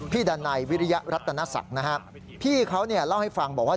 พี่ดันไนวิริยรัตนศักดิ์นะครับพี่เขาเล่าให้ฟังบอกว่า